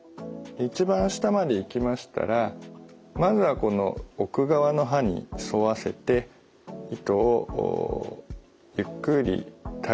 一番下までいきましたらまずはこの奥側の歯に沿わせて糸をゆっくりた